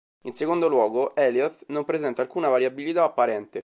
In secondo luogo, Alioth non presenta alcuna variabilità apparente.